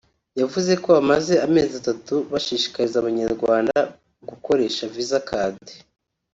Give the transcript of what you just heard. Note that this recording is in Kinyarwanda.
yavuze ko bamaze amezi atatu bashishikariza Abanyarwanda gukoresha Visa Card